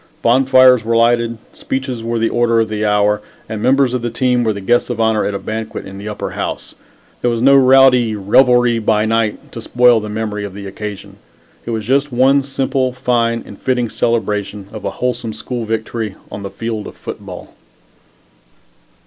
Bonfires were lighted, speeches were the order of the hour, and members of the team were the guests of honor at a banquet in the Upper House. There was no rowdy "revelry by night" to spoil the memory of the occasion. It was just one simple, fine and fitting celebration of a wholesome school victory on the field of football.